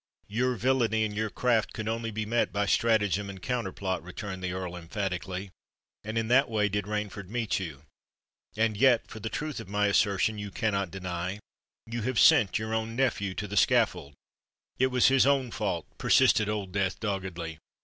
"Your villany and your craft could only be met by stratagem and counterplot," returned the Earl emphatically; "and in that way did Rainford meet you. And yet—for the truth of my assertion you cannot deny—you have sent your own nephew to the scaffold!" "It was his own fault!" persisted Old Death doggedly.